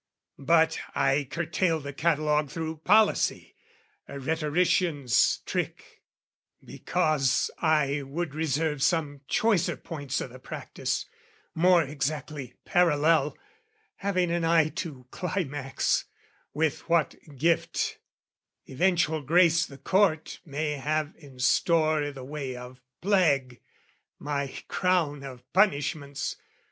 But I curtail the catalogue Through policy, a rhetorician's trick, Because I would reserve some choicer points O' the practice, more exactly parallel (Having an eye to climax) with what gift, Eventual grace the Court may have in store I' the way of plague my crown of punishments.